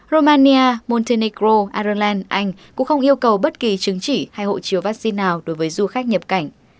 romania montenegro ireland anh cũng không yêu cầu bất kỳ chứng chỉ hay hộ chiếu vắc xin nào đối với du khách nhập cảnh